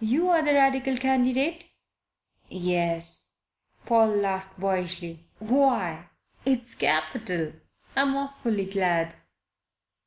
You're the Radical candidate?" "Yes." Paul laughed boyishly. "Why, it's capital! I'm awfully glad."